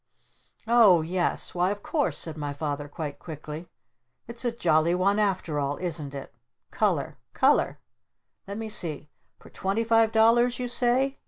"Oh yes why of course!" said my Father quite quickly. "It's a jolly one after all, isn't it! Color Color? Let me see! For twenty five dollars you say?